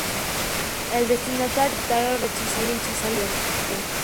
El "destinatario" puede aceptar o rechazar la invitación.